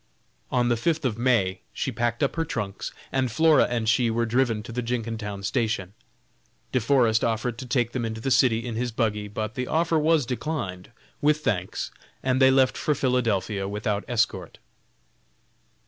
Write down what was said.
On the fifth of May she packed up her trunks, and Flora and she were driven to the Jenkintown station. De Forest offered to take them into the city in his buggy, but the offer was declined, with thanks, and they left for Philadelphia without escort.